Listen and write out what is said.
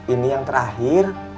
ini yang terakhir